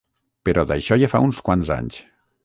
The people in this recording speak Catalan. Però d'això ja fa uns quants anys.